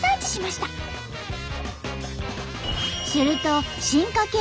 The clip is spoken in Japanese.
すると進化系